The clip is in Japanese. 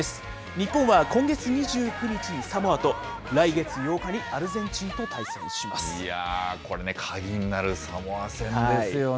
日本は今月２９日にサモアと、来月８日にアルゼンチンと対戦しまいやー、これね、鍵になるのは、サモア戦ですね。